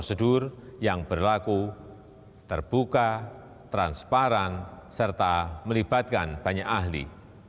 prosedur yang berlaku terbuka transparan serta melibatkan banyak ahli